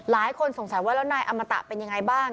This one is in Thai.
หลายคนสงสัยว่าแล้วนายอมตะเป็นยังไงบ้าง